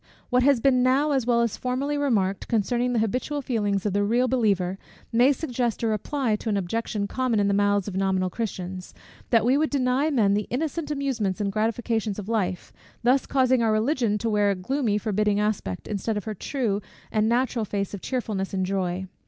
What has been now as well as formerly remarked, concerning the habitual feelings of the real believer, may suggest a reply to an objection common in the mouths of nominal Christians, that we would deny men the innocent amusements and gratifications of life; thus causing our Religion to wear a gloomy forbidding aspect, instead of her true and natural face of cheerfulness and joy.